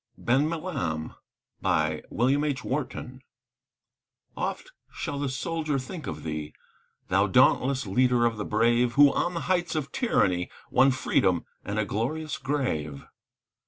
BEN MILAM Oft shall the soldier think of thee, Thou dauntless leader of the brave, Who on the heights of Tyranny Won Freedom and a glorious grave.